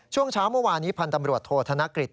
ช่วงเช้าเมื่อวานนี้พันธ์ตำรวจโทษธนกฤษ